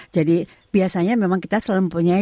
jadi biasanya memang kita selalu mempunyai